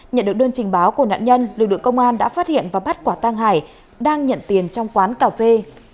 nhận được đơn trình báo của nạn nhân lực lượng công an đã phát hiện và bắt quả tăng hải đang nhận tiền trong quán cà phê